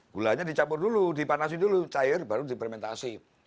gulanya dicampur dulu dipanasi dulu cair baru dipermentasi